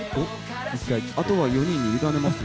あとは４人に委ねますよ。